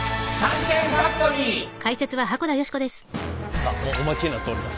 さあもうお待ちになっております。